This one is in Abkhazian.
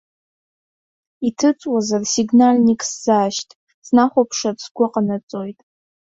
Иҭыҵуазар, сигнальник сзаашьҭы, снахәаԥшыр сгәы ҟанаҵоит.